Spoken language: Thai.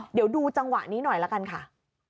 เดี๋ยวดูจังหวะนี้หน่อยละกันค่ะ